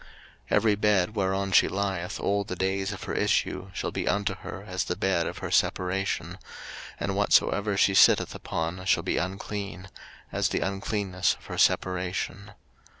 03:015:026 Every bed whereon she lieth all the days of her issue shall be unto her as the bed of her separation: and whatsoever she sitteth upon shall be unclean, as the uncleanness of her separation.